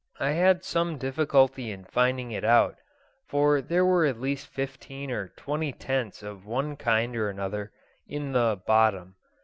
I had some difficulty in finding it out, for there were at least fifteen or twenty tents of one kind or another in the "bottom."